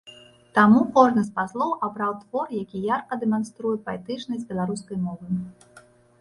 Таму кожны з паслоў абраў твор, які ярка дэманструе паэтычнасць беларускай мовы.